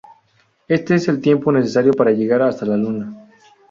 Este es el tiempo necesario para llegar hasta la Luna.